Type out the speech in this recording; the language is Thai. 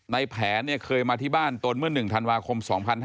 ในแผนเคยมาที่บ้านตนเมื่อ๑ธันวาคม๒๕๕๙